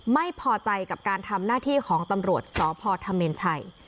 ไม่พอใจกับการทำหน้าที่ของตำรวจสพธเมนชัย